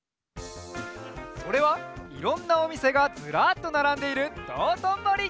それはいろんなおみせがずらっとならんでいるどうとんぼり！